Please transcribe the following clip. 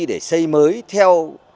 để xây mới theo